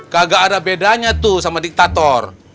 kagak ada bedanya tuh sama diktator